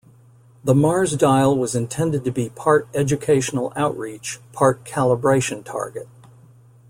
The MarsDial was intended to be part educational outreach, part calibration target.